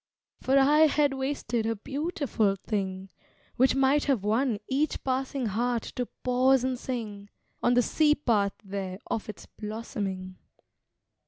For I had wasted a beautiful thing, Which might have won Each passing heart to pause and sing, On the sea path there, of its blossoming.